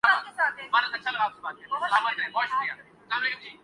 میں فلحال تو پڑہائی کر رہا۔